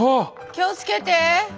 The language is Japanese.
気をつけて！